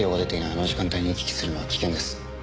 あの時間帯に行き来するのは危険です。